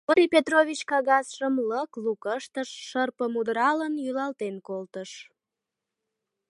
Григорий Петрович кагазшым лык-лук ыштыш, шырпым удыралын, йӱлалтен колтыш.